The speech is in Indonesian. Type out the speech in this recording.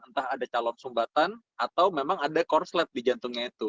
entah ada calon sumbatan atau memang ada korslet di jantungnya itu